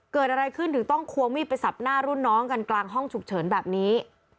เกิดอะไรขึ้นถึงต้องควงมีดไปสับหน้ารุ่นน้องกันกลางห้องฉุกเฉินแบบนี้